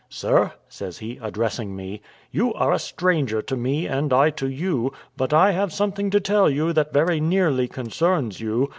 "Sir," says he, addressing me, "you are a stranger to me, and I to you; but I have something to tell you that very nearly concerns you.